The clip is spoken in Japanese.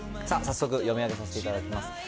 さあ、早速読み上げさせていただきます。